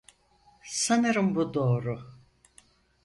Sanırım bu doğru.